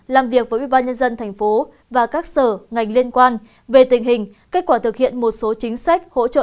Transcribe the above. làm việc với ubnd tp và các sở ngành liên quan về tình hình kết quả thực hiện một số chính sách hỗ trợ